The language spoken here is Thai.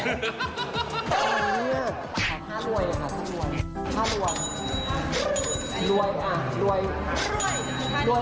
เอาอันนี้ข้าวรวยนะคะข้าวรวยข้าวรวย